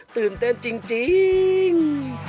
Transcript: ตื่นเต้นจริง